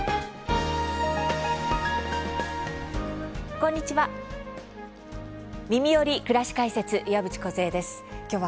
こんにちは。